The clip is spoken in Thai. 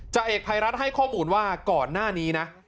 เอกภัยรัฐให้ข้อมูลว่าก่อนหน้านี้นะ